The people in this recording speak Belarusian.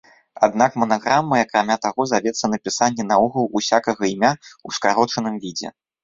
Аднак манаграмай, акрамя таго, завецца напісанне наогул усякага імя ў скарочаным відзе.